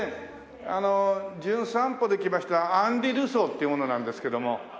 あの『じゅん散歩』で来ましたアンリ・ルソーっていう者なんですけども。